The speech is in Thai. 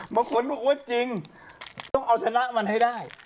บางคนบอกอุ๊ยจริงต้องเอาชนะมันให้ได้